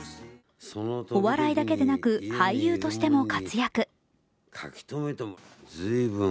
お笑いだけでなく俳優としても活躍。